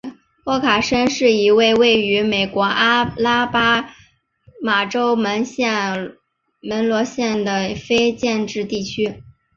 沃卡申是一个位于美国阿拉巴马州门罗县的非建制地区。